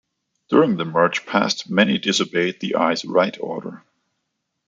During the march-past, many disobeyed the "eyes right" order.